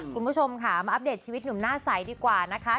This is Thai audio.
คุณผู้ชมค่ะมาอัปเดตชีวิตหนุ่มหน้าใสดีกว่านะคะ